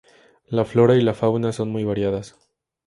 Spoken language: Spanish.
La flora y la fauna son muy variadas.